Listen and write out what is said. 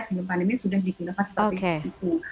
sebelum pandemi sudah digunakan seperti itu